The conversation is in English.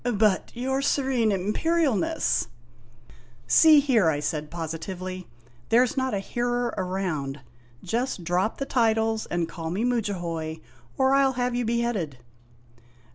"But, your Serene Imperialness " "See here!' I said positively; "there 's not a hearer around. Just drop the titles and call me Mudjahoy or I '11 have you beheaded!"